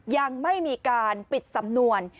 ยังไม่มีการปิดสำนวน